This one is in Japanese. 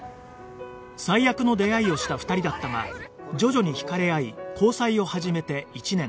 最悪の出会いをした２人だったが徐々に惹かれ合い交際を始めて１年